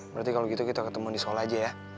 berarti kalau gitu kita ketemu di sekolah aja ya